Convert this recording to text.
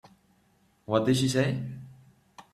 What did she say?